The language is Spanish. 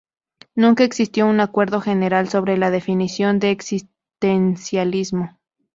Nunca existió un acuerdo general sobre la definición de existencialismo.